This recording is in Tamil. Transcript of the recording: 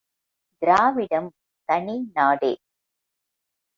திராவிடம் தனி நாடே.